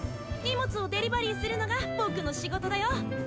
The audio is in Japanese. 荷物をデリバリーするのがぼくの仕事だよ。